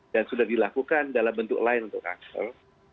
dan sudah dilakukan dalam bentuk lain untuk aksel